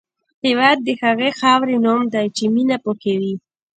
هېواد د هغې خاورې نوم دی چې مینه پکې وي.